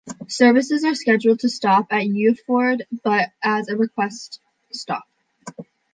Services are scheduled to stop at Yeoford, but as a request stop.